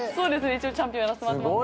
一応チャンピオンやらせてもらってます。